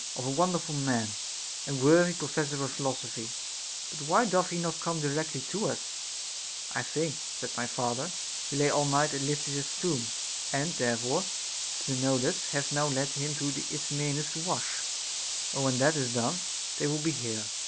387 of a wonderful man and worthy professor of philosophy ; but why doth he not come directly to us \ I think, said my father, he lay all night at Lysis's tomb ; and therefore Epaminondas hath now led him to the Tsmenus to wash , and when that is clone, they will be here.